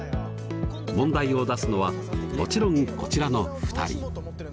問題を出すのはもちろんこちらの２人。